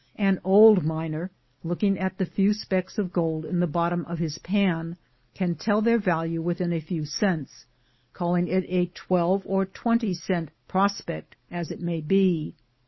An old miner, looking at the few specks of gold in the bottom of his pan, can tell their value within a few cents; calling it a twelve or a twenty cent "prospect," as it may be.